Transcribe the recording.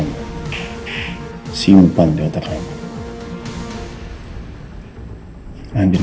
rasanya kurang kamu yakin dengan nama mamu